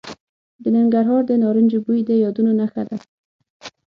د ننګرهار د نارنجو بوی د یادونو نښه ده.